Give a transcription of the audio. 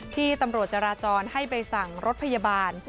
ที่ตำรวจจราจรให้ใบสั่งรถพยาบาล